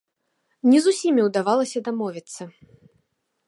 Не з усімі ўдавалася дамовіцца.